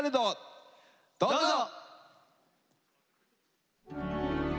どうぞ。